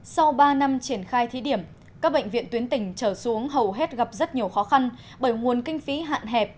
sau ba năm triển khai thí điểm các bệnh viện tuyến tỉnh trở xuống hầu hết gặp rất nhiều khó khăn bởi nguồn kinh phí hạn hẹp